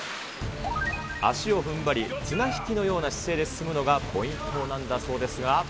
足をふんばり、綱引きのような姿勢で進むのがポイントなんだそうですが。